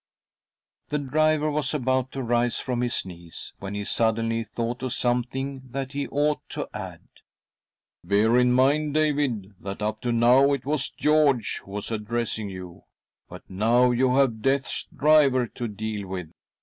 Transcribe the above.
. The driver was about to rise from his knees when '|•'■ mm I 62 THY SOUL SHALL BEAR WITNESS I he suddenly, thought of something that he ought to add. " Bear in mind, David, that, up to now, it was George who was addressing you ; but now you have Death's driver to deal with.